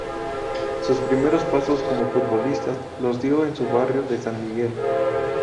Sus primeros pasos como futbolistas los dio en su barrio de San Miguel.